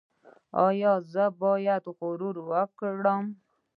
ایا زه باید غرور وکړم؟